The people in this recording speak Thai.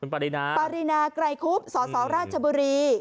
ปรินาปรินาไกรคุบสสราชบุรี